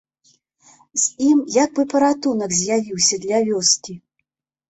З ім як бы паратунак з'явіўся для вёскі.